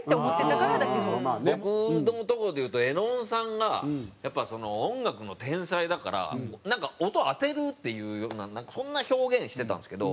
僕のとこで言うと絵音さんがやっぱ音楽の天才だから音を当てるっていうようなそんな表現してたんですけど